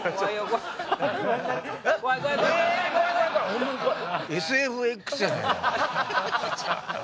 ホンマに怖い！